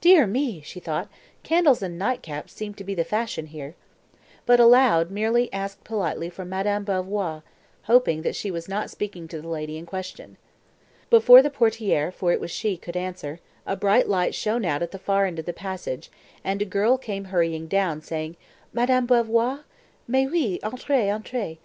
"Dear me!" she thought, "candles and nightcaps seem to be the fashion here;" but aloud, merely asked politely for Madame Belvoir, hoping that she was not speaking to the lady in question. Before the portière (for it was she) could answer, a bright light shone out at the far end of the passage, and a girl came hurrying down, saying, "Madame Belvoir? Mais oui, entrez, entrez.